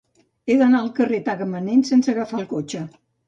He d'anar al carrer de Tagamanent sense agafar el cotxe.